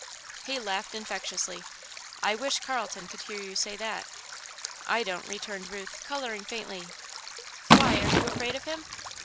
He laughed infectiously. "I wish Carlton could hear you say that." "I don't," returned Ruth, colouring faintly. "Why; are you afraid of him?"